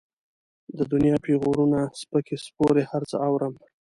د دنيا پېغورونه، سپکې سپورې هر څه اورم.